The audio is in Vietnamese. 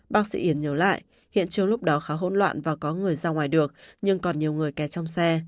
bác sĩ yến nhớ lại hiện trường lúc đó khá hỗn loạn và có người ra ngoài được nhưng còn nhiều người kè trong xe